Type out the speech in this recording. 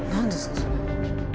それ。